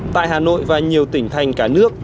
tại hà nội và nhiều tỉnh thành cả nước